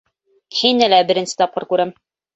Һине лә беренсе тапҡыр күрәм.